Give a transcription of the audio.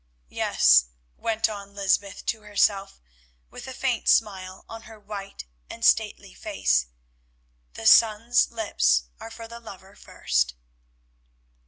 "Yet," went on Lysbeth to herself, with a faint smile on her white and stately face, "the son's lips are for the lover first."